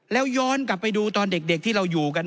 แล้วย้อนกลับไปดูตอนเด็กที่เราอยู่กัน